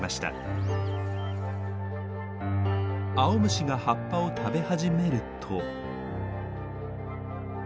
アオムシが葉っぱを食べ始めると。